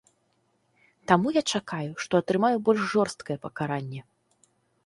Таму я чакаю, што атрымаю больш жорсткае пакаранне.